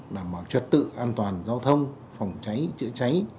đảm bảo trật tự an toàn giao thông phòng cháy chữa cháy